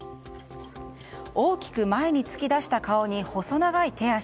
大きく前に突き出した顔に細長い手足。